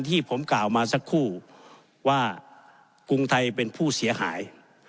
ที่ผมกล่าวมาสักครู่ว่ากรุงไทยเป็นผู้เสียหาย